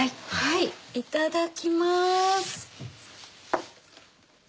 いただきまーす。